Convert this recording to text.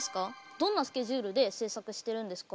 どんなスケジュールで製作してるんですか？